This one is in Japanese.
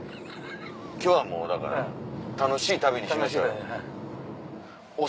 今日はもうだから楽しい旅にしましょうよ。